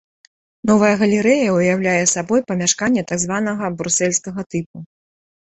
Новая галерэя ўяўляе сабой памяшканне так званага брусельскага тыпу.